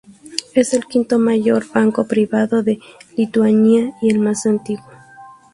Es el quinto mayor banco privado de Lituania y el más antiguo.